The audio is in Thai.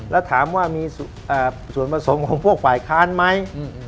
แล้วถามว่ามีส่วนผสมของพวกฝ่ายค้านไหม